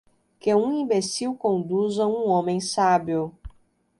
que um imbecil conduza um homem sábio